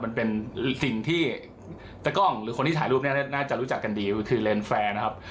มันเป็นสิ่งที่ตะกล้องหรือคนที่ถ่ายรูปเนี่ยน่าจะรู้จักกันดีคือเลนสแฟร์นะครับ